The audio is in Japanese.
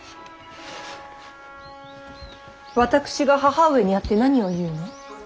私が義母上に会って何を言うの？